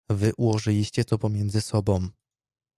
"Wy ułożyliście to pomiędzy sobą."